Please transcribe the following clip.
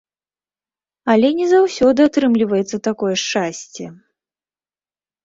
Але не заўсёды атрымліваецца такое шчасце!